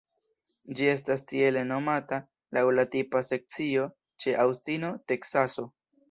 Ĝi estas tiele nomata laŭ la tipa sekcio ĉe Aŭstino, Teksaso.